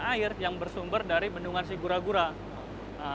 air yang terkumpul akan disedot oleh saluran intake tunnel